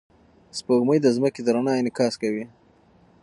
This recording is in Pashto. سپوږمۍ د ځمکې د رڼا انعکاس کوي.